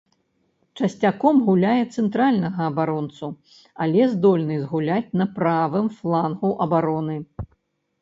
Часцяком гуляе цэнтральнага абаронцу, але здольны згуляць на правым флангу абароны.